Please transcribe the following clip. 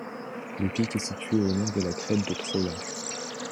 Le pic est situé au nord de la crête de Trolla.